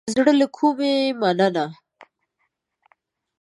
د زړه له کومې مننه